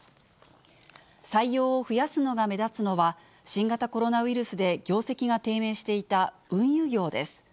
採用を増やすのが目立つのは、新型コロナウイルスで業績が低迷していた運輸業です。